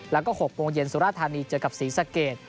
แล้วก็๖โมงเย็นสุราธานีเจอกับศรีสะเกด